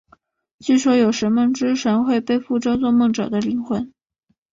据说有时梦之神会背负着做梦者的灵魂。